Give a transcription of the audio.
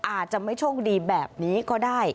อาจจะไม่โชคดีแบบนี้ก็ได้